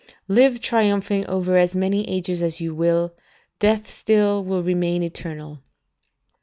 ["Live triumphing over as many ages as you will, death still will remain eternal."